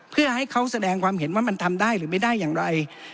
เพื่อให้เขาแสดงความเห็นว่ามันทำได้หรือไม่ได้อย่างไร